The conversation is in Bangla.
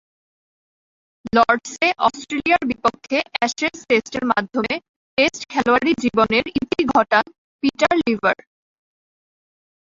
লর্ডসে অস্ট্রেলিয়ার বিপক্ষে অ্যাশেজ টেস্টের মাধ্যমে টেস্ট খেলোয়াড়ী জীবনের ইতি ঘটান পিটার লিভার।